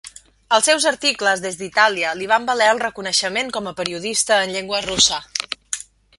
Els seus articles des d'Itàlia li van valer el reconeixement com a periodista en llengua russa.